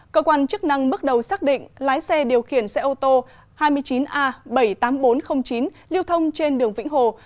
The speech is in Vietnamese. cơ quan chức năng bước đầu xác định lái xe điều khiển xe ô tô hai mươi chín a bảy mươi tám nghìn bốn trăm linh chín lưu thông trên đường vĩnh hồ